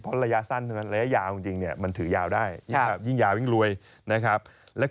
คุณน่ามาขยายความเรื่องนี้ดีกว่าเนอะ